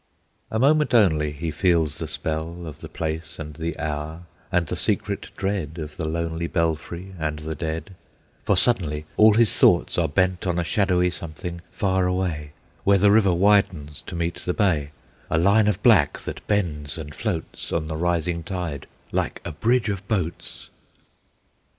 A moment only he feels the spell Of the place and the hour, and the secret dread Of the lonely belfry and the dead; For suddenly all his thoughts are bent On a shadowy something far away, Where the river widens to meet the bay, A line of black that bends and floats On the rising tide, like a bridge of boats.